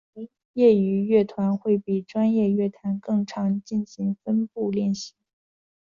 业余乐团会比专业乐团更常进行分部练习。